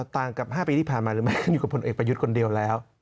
ต่างกับ๕ปีที่ผ่านมาหรือไม่ขึ้นอยู่กับพลเอกประยุทธ์คนเดียวแล้ว